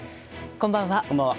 こんばんは。